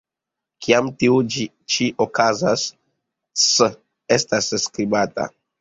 Kiam tio ĉi okazas, "ts" estas skribata.